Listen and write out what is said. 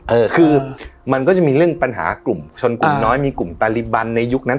เออคือมันก็จะมีเรื่องปัญหากลุ่มชนกลุ่มน้อยมีกลุ่มปฏิบันในยุคนั้น